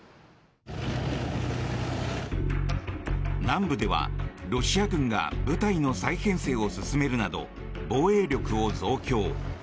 南部では、ロシア軍が部隊の再編成を進めるなど防衛力を増強。